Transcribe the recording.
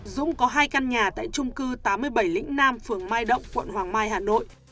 dũng có hai căn nhà tại trung cư tám mươi bảy lĩnh nam phường mai động quận hoàng mai hà nội